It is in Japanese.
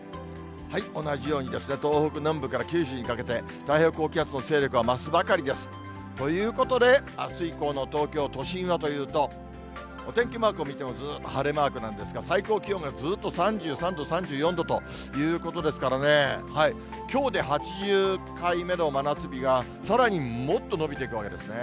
同じように東北南部から九州にかけて太平洋高気圧の勢力は増すばかりです。ということで、あす以降の東京都心はというと、お天気マークを見てもずっと晴れマークなんですが、最高気温がずっと３３度、３４度ということですからね、きょうで８０回目の真夏日がさらにもっとのびていくわけですね。